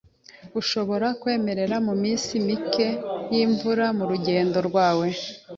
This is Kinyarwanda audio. Ugomba kwemerera iminsi mike yimvura murugendo rwawe .